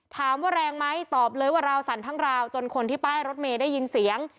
ถามว่าแรงไหมตอบเลยว่าราวสั่นทั้งราวจนคนที่ป้ายรถเมย์ได้ยินเสียง